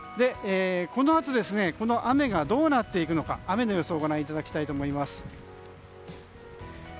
このあと、この雨がどうなっていくのか雨の予想をご覧いただきたいと思います。